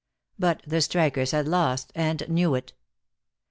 But the strikers had lost, and knew it.